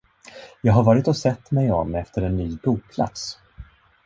Jag har varit och sett mig om efter en ny boplats.